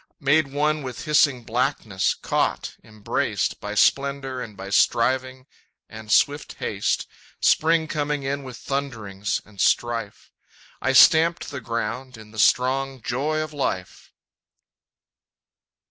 Made one with hissing blackness, caught, embraced, By splendor and by striving and swift haste Spring coming in with thunderings and strife I stamped the ground in the strong joy of life!